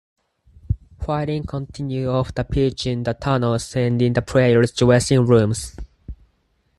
Fighting continued off the pitch in the tunnels and in the players dressing rooms.